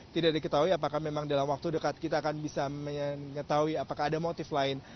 tidak diketahui apakah memang dalam waktu dekat kita akan bisa mengetahui apakah ada motif lain